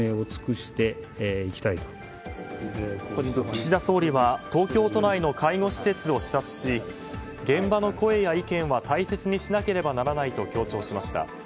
岸田総理は東京都内の介護施設を視察し現場の声や意見は大切にしなければならないと強調しました。